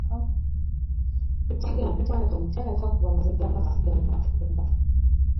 Kigambibwa nti omukyala takuba mabega masiga ng'afumba.